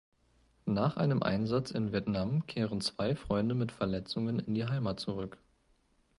Nach einem Einsatz in Vietnam kehren zwei Freunde mit Verletzungen in die Heimat zurück.